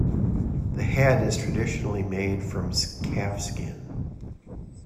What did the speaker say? The head is traditionally made from calfskin.